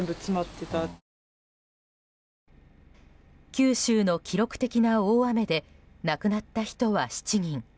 九州の記録的な大雨で亡くなった人は７人。